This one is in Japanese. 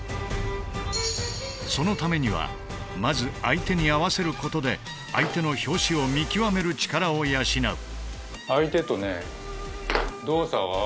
そのためにはまず相手に合わせることで相手の拍子を見極める力を養う。